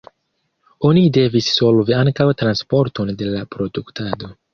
Oni devis solvi ankaŭ transporton de la produktado.